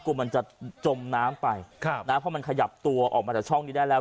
กลัวมันจะจมน้ำไปครับนะเพราะมันขยับตัวออกมาจากช่องนี้ได้แล้ว